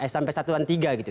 sampai satu dan tiga gitu